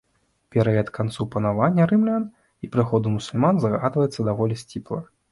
Перыяд канцу панавання рымлян і прыходу мусульман згадваецца даволі сціпла.